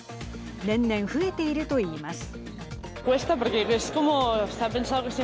年々、増えているといいます。